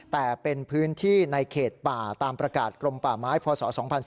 แต่เป็นพื้นที่ในเขตป่าตามประกาศกรมป่าไม้พศ๒๔